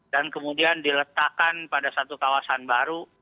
dan kemudian diletakkan pada satu kawasan baru